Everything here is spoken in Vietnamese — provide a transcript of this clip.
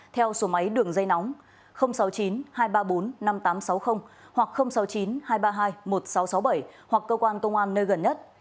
theo số máy đường dây nóng sáu mươi chín hai trăm ba mươi bốn năm nghìn tám trăm sáu mươi hoặc sáu mươi chín hai trăm ba mươi hai một nghìn sáu trăm sáu mươi bảy hoặc cơ quan công an nơi gần nhất